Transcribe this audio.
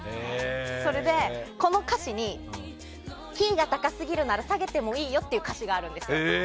それでこの歌詞にキーが高すぎるなら下げてもいいよっていう歌詞があるんです。